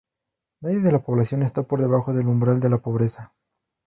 Nadie de la población estaba por debajo del umbral de la pobreza.